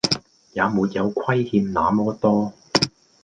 也沒有虧欠那麼多